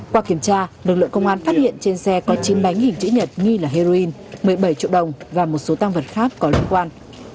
qua kiểm tra lực lượng công an phát hiện trên xe có chín bánh hình chữ nhật nghi là heroin một mươi bảy triệu đồng và một số tăng vật khác có liên quan